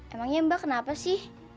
emangnya mba kenapa sih